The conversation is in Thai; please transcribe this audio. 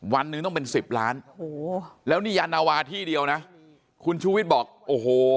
วันนึงต้องเป็น๑๐ล้านแล้วนาวาที่เดียวนะคุณชูวิทย์บอกโอ้โห